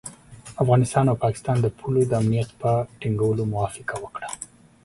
افغانستان او پاکستان د پولو د امنیت په ټینګولو موافقه وکړه.